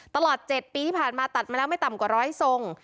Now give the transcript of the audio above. ตลอด๗ปีที่ผ่านมาตัดมาแล้วไม่ต่ำกว่าร้อยทรง